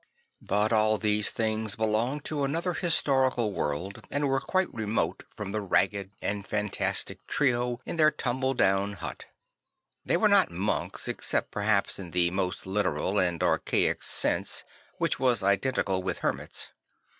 68 St. Francis of Ass1'si But all those things belong to another historical world and were quite remote from the ragged and fantastic trio in their tumble down hut. They were not monks except perhaps in the most literal and archaic sense which was iden tical with hermits.